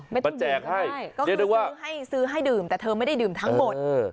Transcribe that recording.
ไม่ต้องดื่มก็ได้ก็คือซื้อให้ดื่มแต่เธอไม่ได้ดื่มทั้งหมด